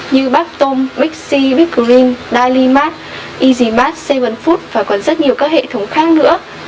như bác tôm mixi big green dailymat easymat bảy food và còn rất nhiều các hệ thống khác nữa